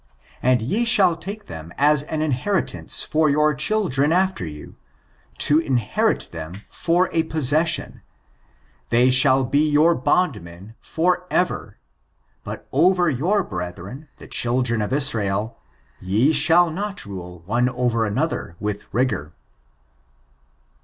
And ye shall take them as an inheritance for your children afler you, to inherit them for a possession ; they shall be your bondmen Jbr ever : but over your brethren, the children of Israel^ ye shall not rule one over another with rigor."